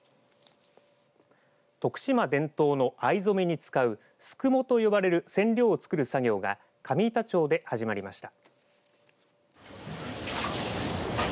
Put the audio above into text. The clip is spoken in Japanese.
徳島伝統の藍染めに使うすくもと呼ばれる染料を作る作業が上板町で始まりました。